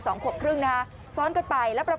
โรดเจ้าเจ้าเจ้าเจ้าเจ้าเจ้าเจ้าเจ้าเจ้า